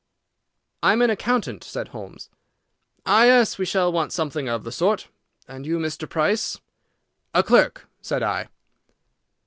"I am an accountant," said Holmes. "Ah yes, we shall want something of the sort. And you, Mr. Price?" "A clerk," said I.